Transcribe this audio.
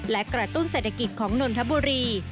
และกระตุ้นเศรษฐกิจของนนทบุรี